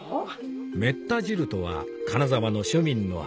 めった汁とは金沢の庶民の味